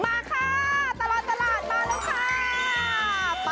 มาค่ะตลอดตลาดมาแล้วค่ะ